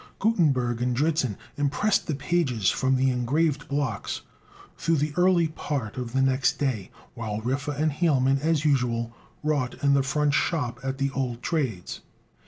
Gutenberg and Dritzhn impressed the pages from the engraved blocks through the early part of the next day, while Riffe and Hielman, as usual, wrought in the front shop at the old trades.